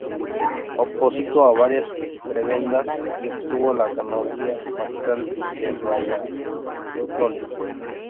Opositó a varias prebendas y obtuvo la canonjía magistral de Valladolid.